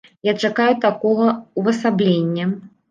Я чакаю такога ўвасаблення.